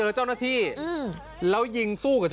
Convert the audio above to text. พ่อออกมามอบตัวเถอะลูกน่ะร้องไห้คุณผู้ชม